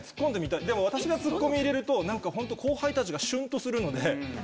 でも私がツッコミを入れると後輩たちがシュンとするので。